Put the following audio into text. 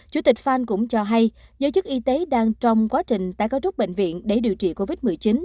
chủ tịch farn cũng cho hay giới chức y tế đang trong quá trình tái cấu trúc bệnh viện để điều trị covid một mươi chín